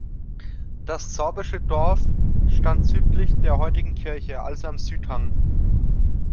Das sorbische Dorf stand südlich der heutigen Kirche, also am Südhang.